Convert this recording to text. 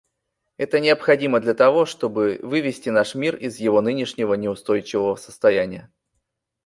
Это необходимо для того, чтобы вывести наш мир из его нынешнего неустойчивого состояния.